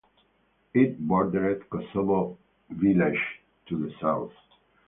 It bordered Kosovo Vilayet to the south.